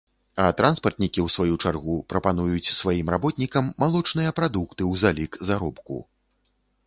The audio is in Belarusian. А транспартнікі ў сваю чаргу прапануюць сваім работнікам малочныя прадукты ў залік заробку.